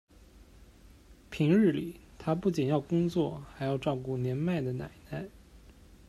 平日里他不仅要工作还要照顾年迈的奶奶。